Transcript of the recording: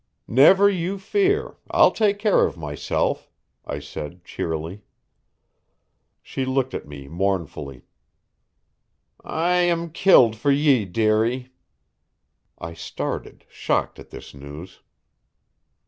"Never you fear. I'll take care of myself," I said cheerily. She looked at me mournfully. "I am killed for ye, dearie." I started, shocked at this news.